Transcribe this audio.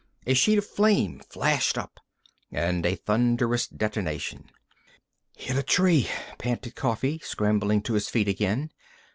A sheet of flame flashed up, and a thunderous detonation. "Hit a tree," panted Coffee, scrambling to his feet again.